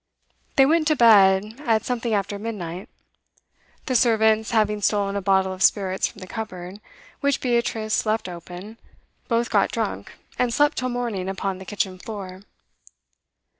They went to bed at something after midnight. The servants, having stolen a bottle of spirits from the cupboard, which Beatrice left open, both got drunk, and slept till morning upon the kitchen floor.